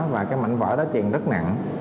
và cái mảnh vỡ đó chèn rất nặng